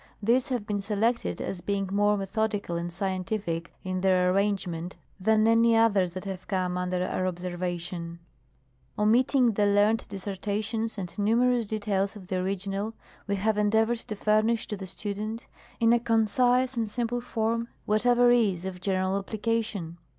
These have been selected, as being more methodical and scientific in their arrangement than any others that have come under our observation. Omitting the 4 PEEPAOE. learned dissertations and numerous details of the original, we Have endeavored to furnish to the student, in a concise and simple form, whatever is of general application.